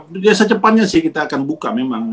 biasa cepatnya sih kita akan buka memang